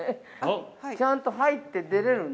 ちゃんと入って出れるんだ。